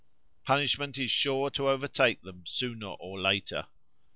Punishment is sure to overtake them sooner or later.